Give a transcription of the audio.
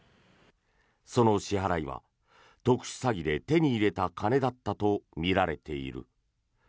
その支払いは特殊詐欺で手に入れた金だったとみられている。